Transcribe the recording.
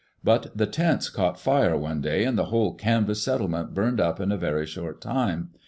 But the tents caught fire one day and the whole canvas settlement burned up in a very short time.